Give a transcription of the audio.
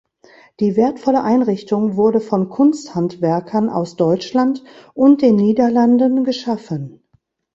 Die wertvolle Einrichtung wurde von Kunsthandwerkern aus Deutschland und den Niederlanden geschaffen.